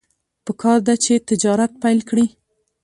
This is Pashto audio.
پکار ده چې تجارت پیل کړي.